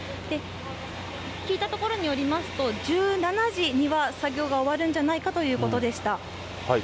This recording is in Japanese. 聞いたところによりますと、１７時には作業が終わるんじゃないかということでした。